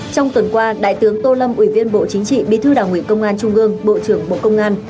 trong tuần qua đại tướng tô lâm ủy viên bộ chính trị bí thư đảng ủy công an trung gương bộ trưởng bộ công an